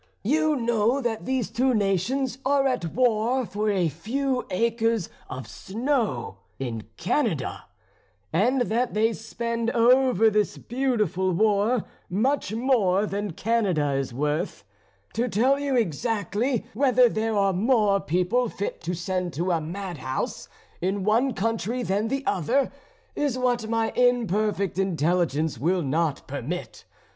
"You know that these two nations are at war for a few acres of snow in Canada, and that they spend over this beautiful war much more than Canada is worth. To tell you exactly, whether there are more people fit to send to a madhouse in one country than the other, is what my imperfect intelligence will not permit.